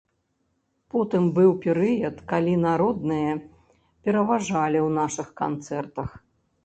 Потым быў перыяд, калі народныя пераважалі ў нашых канцэртах.